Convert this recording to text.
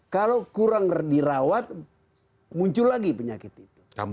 kalau kurang dirawat muncul lagi penyakit itu